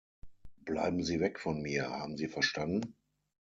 Bleiben Sie weg von mir, haben Sie verstanden?